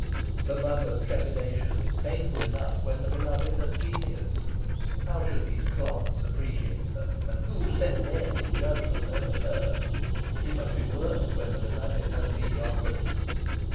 The lover's trepidation is painful enough when the beloved has genius how should these clods appreciate her? and who set them in judgment over her? It must be worse when the beloved has mediocrity.